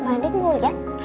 mbak tint mau liat